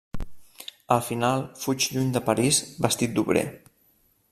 Al final, fuig lluny de París, vestit d'obrer.